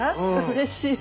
うれしい。